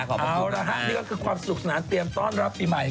เอาละฮะนี่ก็คือความสนุกสนานเตรียมต้อนรับปีใหม่